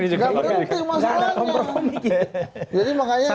jadi sama ya